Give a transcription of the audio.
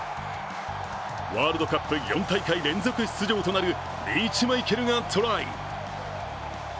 ワールドカップ４大会連続出場となるリーチマイケルがトライ。